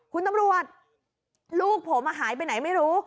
คุณตำรวจลูกผมหายไปไหนไม่รู้